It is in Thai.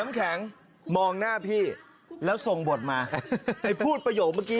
๗๖๐บาทเชียงไม่ได้เหรอคะเดินออกประตูไปค่ะ